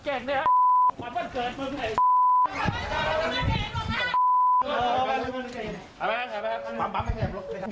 เฮ้ย